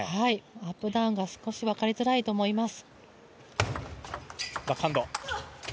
アップダウンが少し分かりづらいと思います。